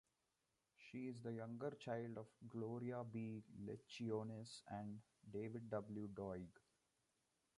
She is the younger child of Gloria B. Lecciones and David W. Doig.